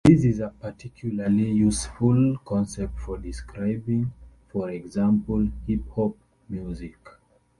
This is a particularly useful concept for describing, for example, hip-hop music.